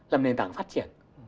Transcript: làm nền tảng phát triển